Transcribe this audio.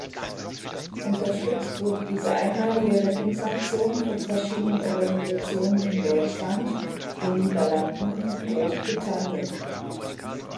Unterstützt wurde diese einmalige Rettungsaktion von verschiedenen Organisationen in Deutschland, den Niederlanden und Großbritannien.